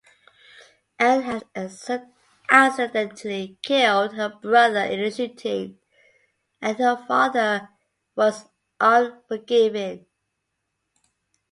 Anne had accidentally killed her brother in a shooting, and her father was unforgiving.